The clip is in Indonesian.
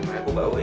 aku bau ya